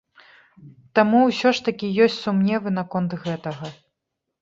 Таму ўсё ж такі ёсць сумневы наконт гэтага.